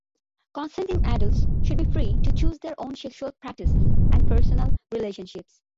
Consenting adults should be free to choose their own sexual practices and personal relationships.